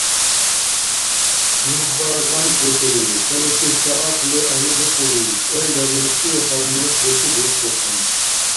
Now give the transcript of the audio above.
Нургъба кӀантӀбикӀули, цаличиб ца ахъли агьибикӀули, кӀелра рурси хала нешличи дуцӀбухъун.